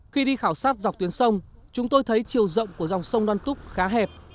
khi đi khảo sát dọc tuyến sông chúng tôi thấy chiều rộng của dòng sông đoan túc khá hẹp